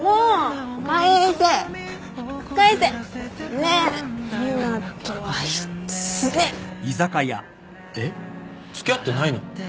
ねえ！えっ付き合ってないの？